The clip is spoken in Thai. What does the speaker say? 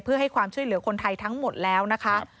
เพื่อให้ความช่วยเหลือคนไทยทั้งหมดแล้วนะคะ